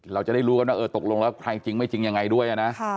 เราจะได้รู้กันว่าเออตกลงแล้วใครจริงไม่จริงยังไงด้วยนะ